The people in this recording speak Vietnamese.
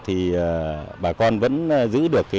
thì bà con vẫn giữ được